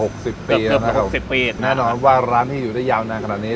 เกือบ๖๐ปีนะครับค่ะแน่นอนว่าร้านที่อยู่ได้ยาวนานขนาดนี้